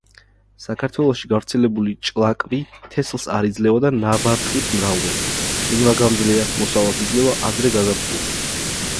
საქართველოში გავრცელებული ჭლაკვი თესლს არ იძლევა და ნაბარტყით მრავლდება; ყინვაგამძლეა, მოსავალს იძლევა ადრე გაზაფხულზე.